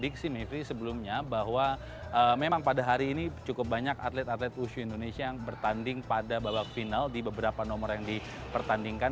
diksi mevri sebelumnya bahwa memang pada hari ini cukup banyak atlet atlet wushu indonesia yang bertanding pada babak final di beberapa nomor yang dipertandingkan